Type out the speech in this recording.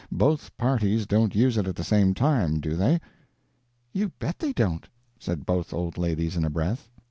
Both parties don't use it at the same time, do they?" "You bet they don't!" said both old ladies in a breath.